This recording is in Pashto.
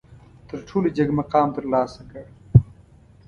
تر ټولو جګ مقام ترلاسه کړ.